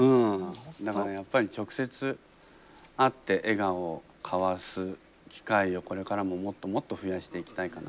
だからやっぱり直接会って笑顔を交わす機会をこれからももっともっと増やしていきたいかな。